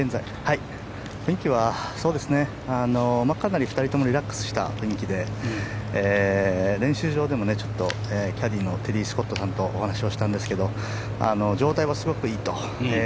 かなり２人ともリラックスした雰囲気で練習場でもキャディーのテリー・スコットさんと話をしたんですが状態はすごくいいと。